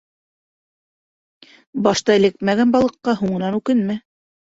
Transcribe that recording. Башта эләкмәгән балыҡҡа һуңынан үкенмә.